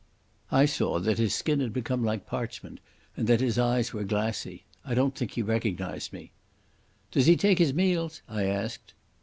I saw that his skin had become like parchment and that his eyes were glassy. I don't think he recognised me. "Does he take his meals?" I asked.